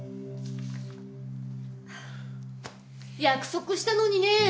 約束したのにねぇ。